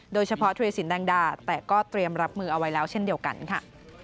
โดยเฉพาะธุรสินแดงดาแต่ก็เตรียมรับมือเอาไว้แล้วเช่นเดียวกันค่ะ